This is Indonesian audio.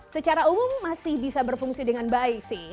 secara umum masih bisa berfungsi dengan baik sih